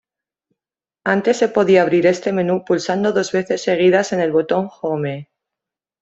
Antes se podía abrir este menú pulsando dos veces seguidas en el botón Home.